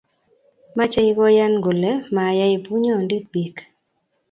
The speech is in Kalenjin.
meche koyai kole mayai bunyondit biik